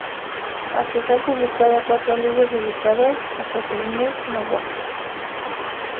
Hasta se han publicado cuatro libros dedicados a Kazimierz Nowak.